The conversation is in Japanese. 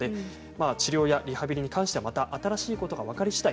治療やリハビリに関しては新しいことが分かりしだい